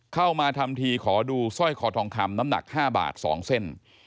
เข้ามาทำทีขอดูสร้อยคอทองคำน้ำหนัก๕บาท๒เส้น